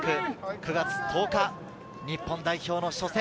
９月１０日、日本代表の初戦。